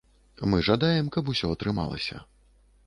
Мы жадаем, каб усе атрымалася.